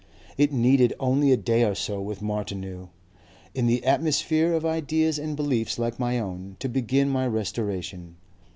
It needed only a day or so with Martineau, in the atmosphere of ideas and beliefs like my own, to begin my restoration.